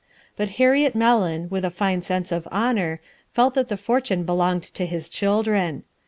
But Harriet Mellon, with a fine sense of honor, felt that the fortune belonged to his children.